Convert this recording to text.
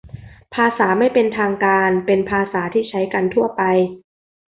ภาษาไม่เป็นทางการเป็นภาษาที่ใช้กันทั่วไป